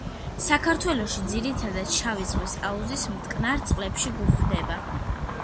საქართველოში ძირითადად შავი ზღვის აუზის მტკნარ წყლებში გვხვდება.